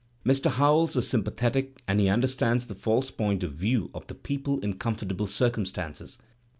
Mr. Howells is sympathetic and he understands the false point of view of the people in com fortable circumstances.